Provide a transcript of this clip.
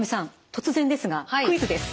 突然ですがクイズです。